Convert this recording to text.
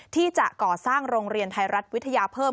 ที่จะก่อสร้างโรงเรียนไทยรัฐวิทยาเพิ่ม